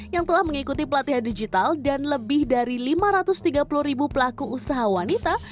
yang telah mengikuti pelatihan digital dan lebih dari lima ratus tiga puluh ribu pelaku usaha wanita